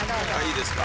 いいですか？